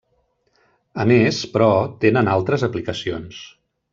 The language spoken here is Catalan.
A més, però, tenen altres aplicacions.